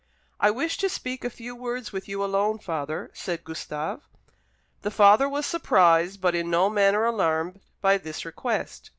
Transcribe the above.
"I wish to speak a few words with you alone, father," said Gustave. The father was surprised, but in no manner alarmed by this request.